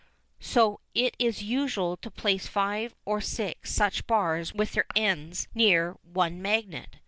So it is usual to place five or six such bars with their ends near the one magnet.